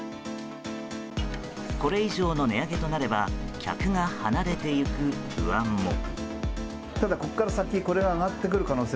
これ以上の値上げとなれば客が離れていく不安も。